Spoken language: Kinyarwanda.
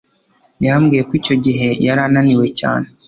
Yambwiye ko icyo gihe yari ananiwe cyane